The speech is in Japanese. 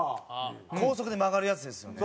高速で曲がるやつですよね？